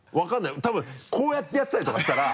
多分こうやってやってたりとかしたら。